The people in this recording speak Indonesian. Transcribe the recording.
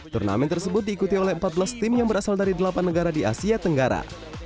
turnamen tersebut diikuti oleh empat belas tim yang berasal dari delapan negara di asia tenggara